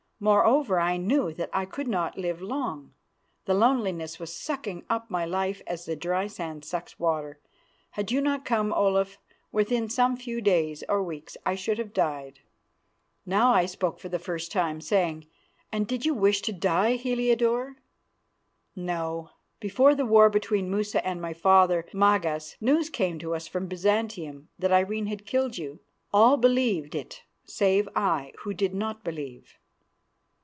Moreover, I knew that I could not live long. The loneliness was sucking up my life as the dry sand sucks water. Had you not come, Olaf, within some few days or weeks I should have died." Now I spoke for the first time, saying, "And did you wish to die, Heliodore?" "No. Before the war between Musa and my father, Magas, news came to us from Byzantium that Irene had killed you. All believed it save I, who did not believe."